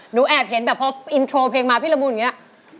แอบเห็นแบบพออินโทรเพลงมาพี่ละมุนอย่างนี้